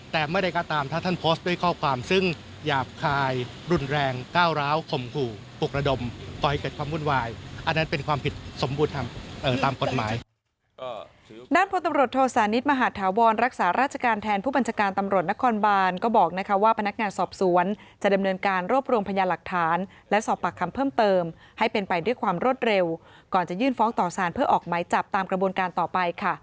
แต่ไม่ได้ก็ตามถ้าท่านโพสต์ด้วยข้อความซึ่งหยาบคายรุนแรงก้าวร้าวข่มขู่ปลุกระดมปล่อยเกิดความวุ่นวายอันนั้นเป็นความผิดสมบูรณ์ตามกฎหมาย